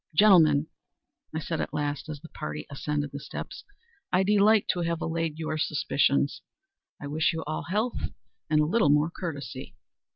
"Gentlemen," I said at last, as the party ascended the steps, "I delight to have allayed your suspicions. I wish you all health, and a little more courtesy.